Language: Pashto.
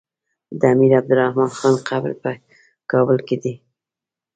د امير عبدالرحمن خان قبر په کابل کی دی